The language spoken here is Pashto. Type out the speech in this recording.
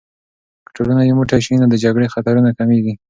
که ټولنه یو موټی سي، نو د جګړې خطرونه کمېږي.